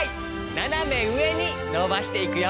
ななめうえにのばしていくよ。